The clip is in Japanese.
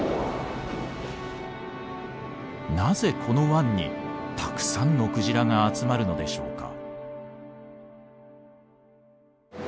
なぜこの湾にたくさんのクジラが集まるのでしょうか。